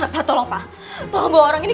pak tata serventating friend